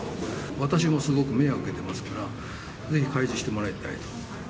私もすごく迷惑受けてますから、ぜひ開示してもらいたい。